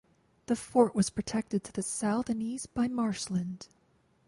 The fort was protected to the south and east by marshland.